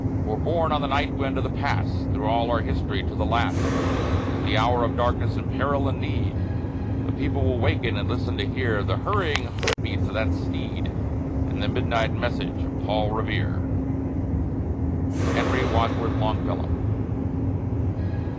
For, borne on the night wind of the Past, Through all our history, to the last, In the hour of darkness and peril and need, The people will waken and listen to hear The hurrying hoof beats of that steed, And the midnight message of Paul Revere. HENRY WADSWORTH LONGFELLOW.